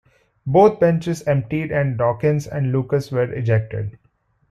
Both benches emptied and Dawkins and Lucas were ejected.